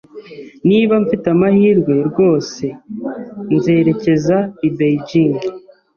Niba mfite amahirwe, rwose nzerekeza i Beijing.